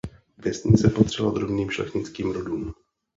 Vesnice patřila drobným šlechtickým rodům.